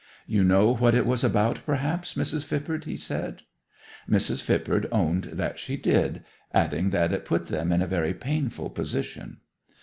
'You know what it was about, perhaps, Mrs. Phippard?' he said. Mrs. Phippard owned that she did, adding that it put them in a very painful position.